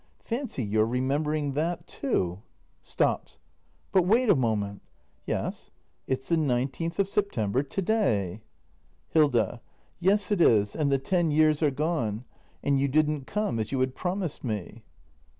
Fancy your remembering that too! [Stops.] But wait a moment ! Yes — it's the 19th of September to day. Hilda. Yes, it is; and the ten years are gone. And you didn't come — as you had promised me.